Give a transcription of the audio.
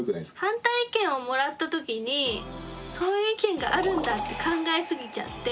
反対意見をもらった時にそういう意見があるんだって考えすぎちゃって